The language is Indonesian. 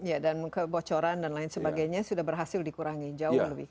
ya dan kebocoran dan lain sebagainya sudah berhasil dikurangi jauh lebih